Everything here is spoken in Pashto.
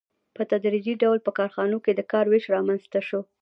په تدریجي ډول په کارخانو کې د کار وېش رامنځته شو